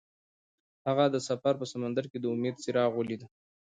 هغه د سفر په سمندر کې د امید څراغ ولید.